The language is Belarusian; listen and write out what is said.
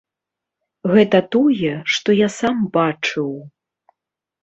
Гэта тое, што я сам бачыў.